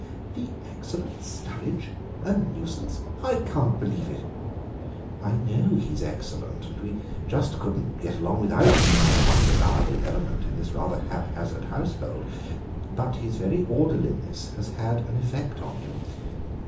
"The excellent Sturridge a nuisance! I can't believe it." "I know he's excellent, and we just couldn't get along without him; he's the one reliable element in this rather haphazard household. But his very orderliness has had an effect on him.